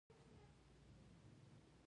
ولې ځینې ماشومان د خپل مور او پلار په څیر وي